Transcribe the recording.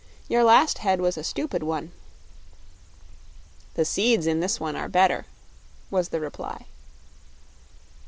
"Your last head was a stupid one." "The seeds in this one are better," was the reply.